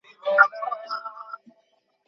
আমরা সেটা করতে পারি, স্যাম।